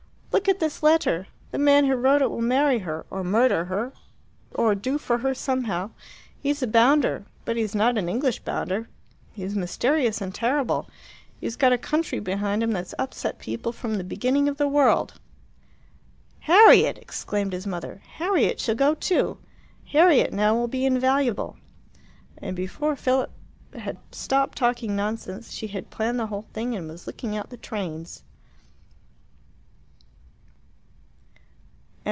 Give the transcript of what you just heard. Look at this letter! The man who wrote it will marry her, or murder her, or do for her somehow. He's a bounder, but he's not an English bounder. He's mysterious and terrible. He's got a country behind him that's upset people from the beginning of the world." "Harriet!" exclaimed his mother. "Harriet shall go too. Harriet, now, will be invaluable!" And before Philip had stopped talking nonsense, she had planned the whole thing and was looking out the trains.